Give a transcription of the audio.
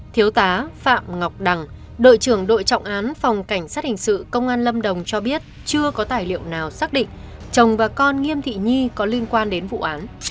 thiếu tá phạm ngọc đằng đội trưởng đội trọng án phòng cảnh sát hình sự công an lâm đồng cho biết chưa có tài liệu nào xác định chồng và con nghiêm thị nhi có liên quan đến vụ án